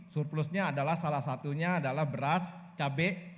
surplusnya adalah salah satunya adalah beras cabai